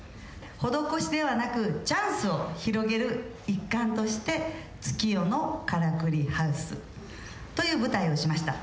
施しではなくチャンスを広げる一環として「月夜のからくりハウス」という舞台をしました